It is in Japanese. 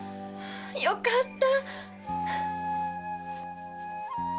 よかった！